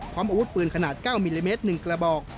อาวุธปืนขนาด๙มิลลิเมตร๑กระบอก